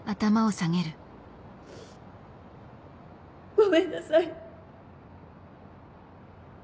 ごめんなさい。